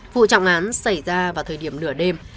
vụ trọng án xảy ra vào thời điểm nửa đêm